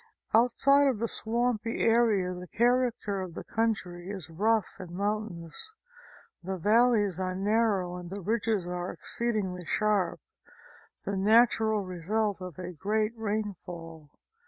Outside of the swampy area the character of the country is rough and mountainous. The valleys are narrow and the ridges exceedingly sharp, the natural result of a great rain fall.